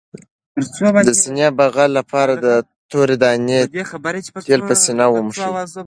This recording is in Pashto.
د سینې بغل لپاره د تورې دانې تېل په سینه ومښئ